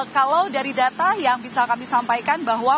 kalau dari data yang bisa kami sampaikan bahwa